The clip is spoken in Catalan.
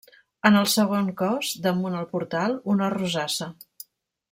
En el segon cos, damunt el portal, una rosassa.